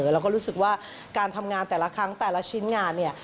เราก็รู้สึกว่าการทำงานแต่ละครั้งแต่ละชิ้นงานเนี่ย